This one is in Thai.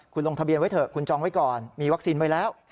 คุณลงทะเบียนไว้เถอะคุณจองไว้ก่อนมีวัคซีนไว้แล้ว